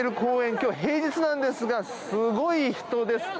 今日は平日なんですがすごい人です。